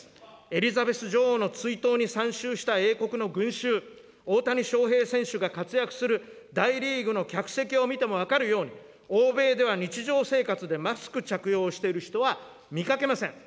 エリザベス女王の追悼に参集した英国の群衆、大谷翔平選手が活躍する大リーグの客席を見ても分かるように、欧米では日常生活でマスク着用をしている人は見かけません。